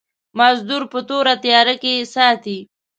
مزدور په تورو تيارو کې ساتي.